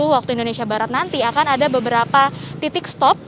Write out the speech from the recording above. waktu indonesia barat nanti akan ada beberapa titik stop